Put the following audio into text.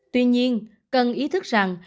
tuy nhiên cần ý thức rằng